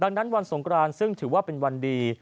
ดังนั้นวันสงกรานซึ่งถือว่าเป็นวันดี